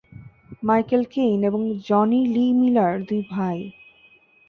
Michael Caine এবং Johnny Lee Miller দুই ভাই।